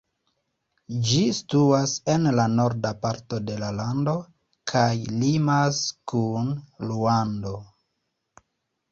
Ĝi situas en la norda parto de la lando, kaj limas kun Ruando.